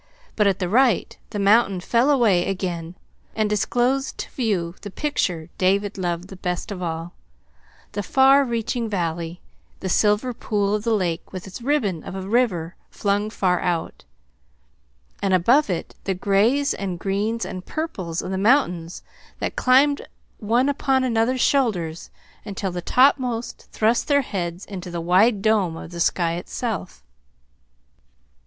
But at the right the mountain fell away again and disclosed to view the picture David loved the best of all: the far reaching valley; the silver pool of the lake with its ribbon of a river flung far out; and above it the grays and greens and purples of the mountains that climbed one upon another's shoulders until the topmost thrust their heads into the wide dome of the sky itself.